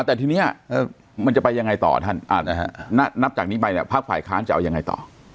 แต่ทีนี้มันจะไปยังไงต่อท่านนับจากนี้ไปเนี่ยภาคฝ่ายค้านจะเอายังไงต่อ